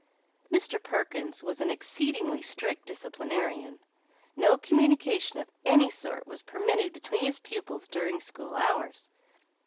Mr. Perkins was an exceedingly strict disciplinarian. No communication of any sort was permitted between his pupils during school hours.